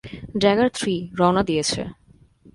Dagger three, রওনা দিয়েছে।